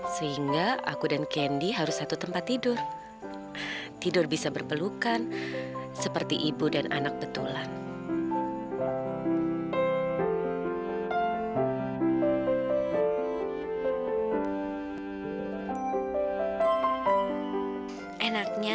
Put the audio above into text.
sampai jumpa di video selanjutnya